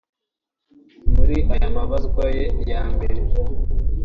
muri ayo mabazwa ye ya mbere